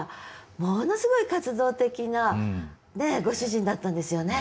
ものすごい活動的なねえご主人だったんですよね。